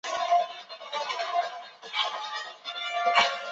其后赴美国留学。